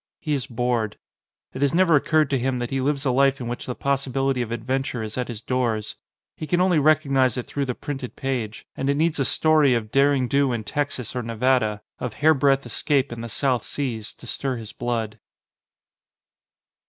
He is bored. It has never occurred to him that he lives a life in which the possibility of adventure is at his doors. He can only recognise it through the printed page ; and it needs a story of derring do in Texas or Nevada, of hairbreadth escape in the South Seas, to stir his blood.